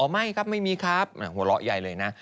ไม่ครับไม่มีครับหัวเราะใหญ่เลยนะ